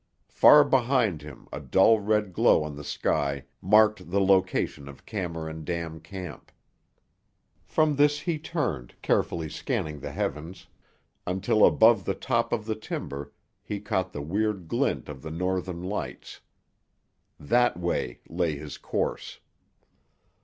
Far behind him a dull red glow on the sky marked the location of Cameron Dam Camp. From this he turned, carefully scanning the heavens, until above the top of the timber he caught the weird glint of the northern lights. That way lay his course.